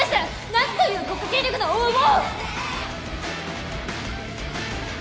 なんという国家権力の横暴！